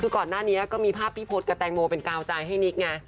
คือก่อนหน้านี้ก็มีภาพพี่พศกับแตงโมเป็นกาวใจให้นิกไง